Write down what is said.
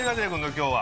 今日は。